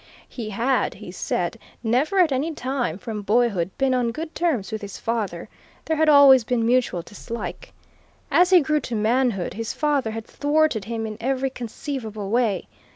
"He had, he said, never at any time from boyhood been on good terms with his father: there had always been mutual dislike. As he grew to manhood, his father had thwarted him in every conceivable way.